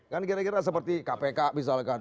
kan kira kira seperti kpk misalkan